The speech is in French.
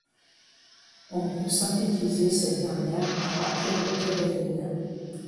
On peut synthétiser cette dernière à partir de thébaïne.